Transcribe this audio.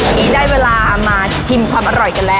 ทีนี้ได้เวลามาชิมความอร่อยกันแล้ว